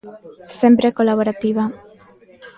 Sempre colaborativa.